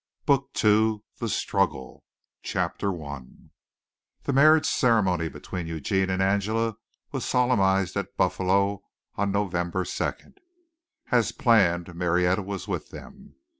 BOOK II THE STRUGGLE CHAPTER I The marriage ceremony between Eugene and Angela was solemnized at Buffalo on November second. As planned, Marietta was with them.